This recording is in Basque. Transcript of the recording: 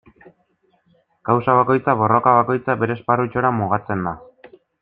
Kausa bakoitza, borroka bakoitza, bere esparrutxora mugatzen da.